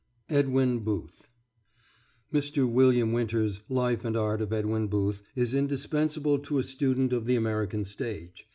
EDWIN BOOTH [Mr. William Winter's "Life and Art of Edwin Booth" is indispensable to a student of the American stage.